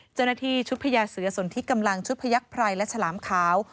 เจ้าหน้าที่ชุดพญาเสือสนที่กำลังชุดพยักษ์ไพรและฉลามขาว